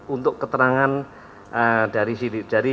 untuk keterangan dari sidik